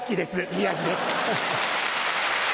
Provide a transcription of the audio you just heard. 宮治です。